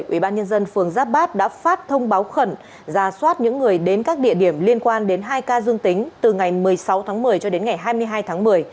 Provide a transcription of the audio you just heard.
ubnd phường giáp bát đã phát thông báo khẩn ra soát những người đến các địa điểm liên quan đến hai ca dương tính từ ngày một mươi sáu tháng một mươi cho đến ngày hai mươi hai tháng một mươi